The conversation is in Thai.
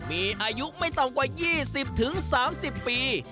มีอายุไม่ต่ำกว่า๒๐๓๐ปี